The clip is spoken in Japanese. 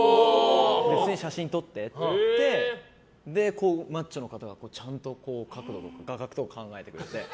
普通に写真撮ってって言ってマッチョの方がちゃんと、画角とか考えてくれて。